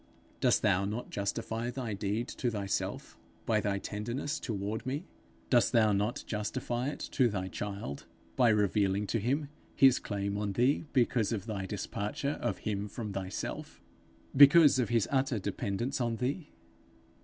Dost thou not justify thy deed to thyself by thy tenderness toward me? dost thou not justify it to thy child by revealing to him his claim on thee because of thy disparture of him from thyself, because of his utter dependence on thee?